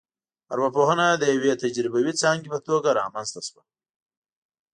ارواپوهنه د یوې تجربوي ځانګې په توګه رامنځته شوه